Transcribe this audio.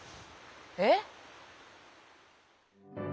「え？」。